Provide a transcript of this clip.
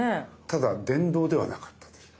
ただ電動ではなかったんですよ。